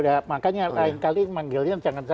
loh ya makanya lain kali manggilnya jangan saya